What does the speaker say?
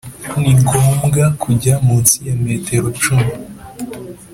ntigomba kujya munsi ya metero cumi